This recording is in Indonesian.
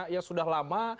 ya sudah lama